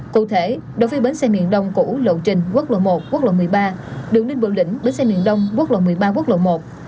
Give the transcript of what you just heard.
cụ thể đối với bến xe miền đông củ lộ trình quốc lộ một quốc lộ một mươi ba đường ninh bình lĩnh bến xe miền đông quốc lộ một mươi ba quốc lộ một